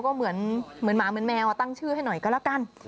ก็เหมือนหมาเหมือนแมวตั้งชื่อให้หน่อยก็แล้วกัน